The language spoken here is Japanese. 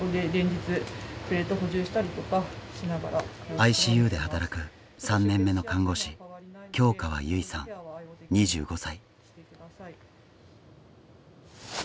ＩＣＵで働く３年目の看護師京河祐衣さん２５歳。